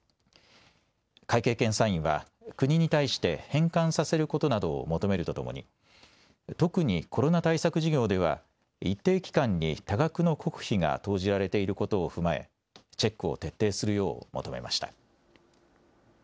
会計検査院は、国に対して、返還させることなどを求めるとともに、特にコロナ対策事業では、一定期間に多額の国費が投じられていることを踏まえ、チェックを徹底するよう求めました。